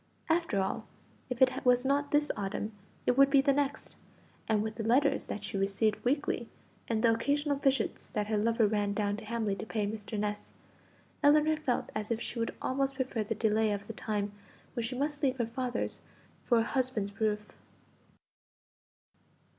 After all, if it was not this autumn it would be the next; and with the letters that she received weekly, and the occasional visits that her lover ran down to Hamley to pay Mr. Ness, Ellinor felt as if she would almost prefer the delay of the time when she must leave her father's for a husband's roof.